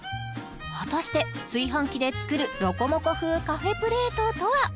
果たして炊飯器で作るロコモコ風カフェプレートとは？